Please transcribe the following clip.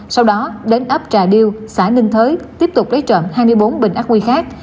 sau đó đến ấp trà điêu xã ninh thới tiếp tục lấy trộm hai mươi bốn bình ác quy khác